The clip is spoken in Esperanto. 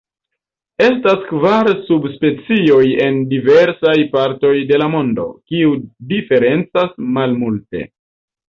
Estas kvar subspecioj en diversaj partoj de la mondo, kiu diferencas malmulte.